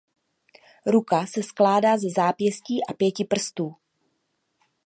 Ruka se skládá ze zápěstí a pěti prstů.